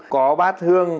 có bát hương